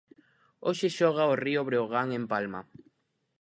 Hoxe xoga o Río Breogán en Palma.